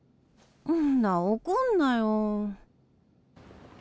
んな怒んなよ。